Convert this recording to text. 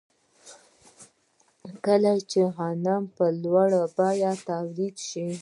کله چې غنم په لوړه بیه تولید شي